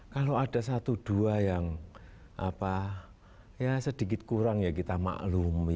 kalau ada satu dua yang sedikit kurang ya kita maklumi